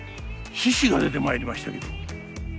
獅子が出てまいりましたけど。